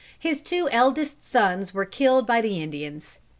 His two eldest sons were killed by the Indians.